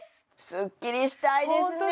スッキリしたいですね